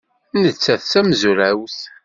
Nettat d tamezrawt.